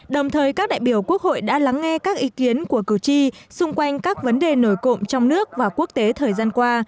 đồng thời các đại biểu quốc hội đã lắng nghe các ý kiến của cử tri xung quanh các vấn đề nổi cộng trong nước và quốc tế thời gian qua